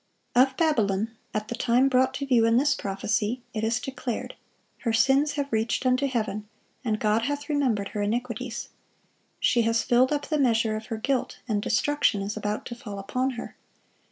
Of Babylon, at the time brought to view in this prophecy, it is declared, "Her sins have reached unto heaven, and God hath remembered her iniquities."(1044) She has filled up the measure of her guilt, and destruction is about to fall upon her.